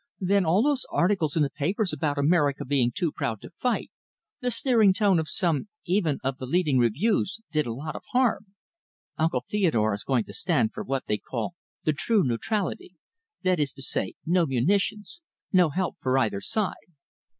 Then all those articles in the papers about America being too proud to fight, the sneering tone of some, even, of the leading reviews, did a lot of harm. Uncle Theodore is going to stand for what they call the true neutrality. That is to say, no munitions, no help for either side."